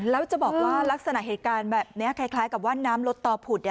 แล้วจะบอกว่าลักษณะเหตุการณ์แบบนี้คล้ายกับว่าน้ำลดต่อผุด